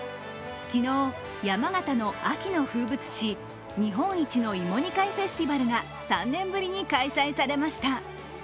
昨日、山形の秋の風物詩日本一の芋煮会フェスティバルが３年ぶりに開催されました。